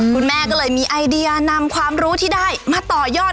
คุณแม่ก็เลยมีไอเดียนำความรู้ที่ได้มาต่อยอด